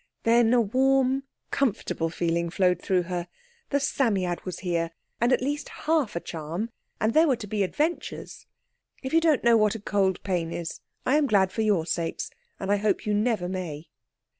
Then a warm, comfortable feeling flowed through her. The Psammead was here, and at least half a charm, and there were to be adventures. (If you don't know what a cold pain is, I am glad for your sakes, and I hope you never may.)